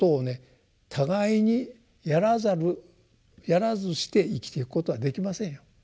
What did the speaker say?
互いにやらざるやらずして生きていくことはできませんよ。